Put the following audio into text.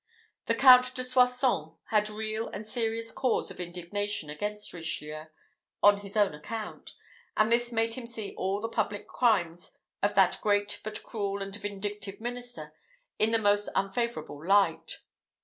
The Count de Soissons had real and serious cause of indignation against Richelieu, on his own account; and this made him see all the public crimes of that great but cruel and vindictive minister in the most unfavourable light.